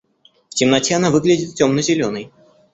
В темноте она выглядит темно-зеленой.